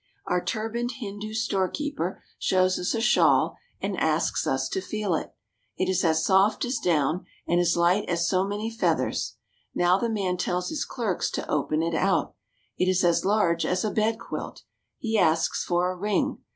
Our turbaned Hindu storekeeper shows us a shawl and asks us to feel it. It is as soft as down, and as light as so many feathers. Now the man tells his clerks to open it out. It is as large as a bedquilt. He asks for a ring.